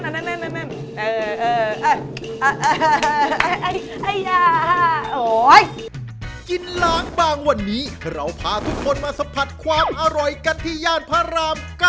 กินล้างบางวันนี้เราพาทุกคนมาสัมผัสความอร่อยกันที่ย่านพระราม๙